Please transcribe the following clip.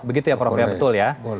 begitu ya prof ya betul ya